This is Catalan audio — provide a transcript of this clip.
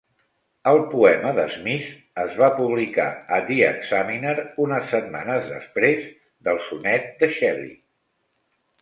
El poema de Smith es va publicar a "The Examiner", unes setmanes després del sonet de Shelley.